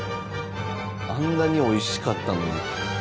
あんなにおいしかったのに。